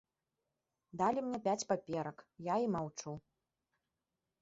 Далі мне пяць паперак, я і маўчу.